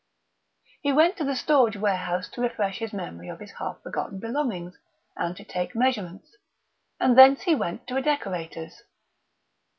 He went to the storage warehouse to refresh his memory of his half forgotten belongings, and to take measurements; and thence he went to a decorator's.